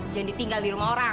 jangan ditinggal di rumah orang